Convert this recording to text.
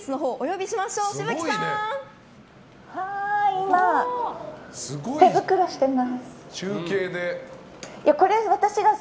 今手袋してます。